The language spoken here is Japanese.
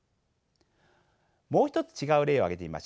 もう一つ違う例を挙げてみましょう。